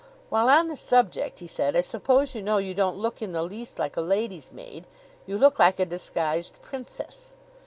"While on the subject," he said, "I suppose you know you don't look in the least like a lady's maid? You look like a disguised princess."